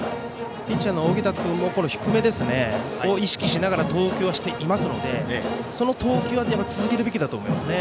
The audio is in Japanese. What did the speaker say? ピッチャーの小北君も低めを意識しながら投球はしていますのでその投球は続けるべきだと思いますね。